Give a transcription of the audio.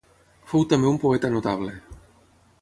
Fou també un poeta notable.